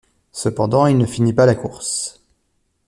Cependant, il ne finit pas la course.